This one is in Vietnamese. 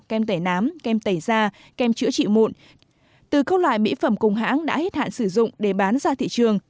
kem tẩy nám kem tẩy da kem chữa trị mụn từ các loại mỹ phẩm cùng hãng đã hết hạn sử dụng để bán ra thị trường